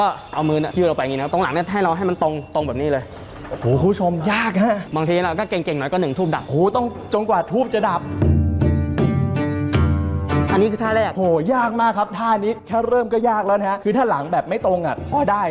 โอ้ยุงเหมาะครับท่านี้แค่เริ่มเลยแยกแล้วถ้าหรั่งแบบไม่ตรงก็พอดาย